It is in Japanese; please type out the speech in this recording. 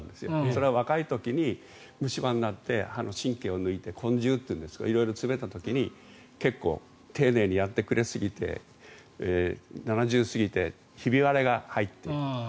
それは若い時に、虫歯になって歯の神経を抜いて根充という色々詰めた時に結構、丁寧にやってくれすぎて７０過ぎてひび割れが入っている。